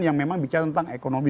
yang memang bicara tentang ekonomi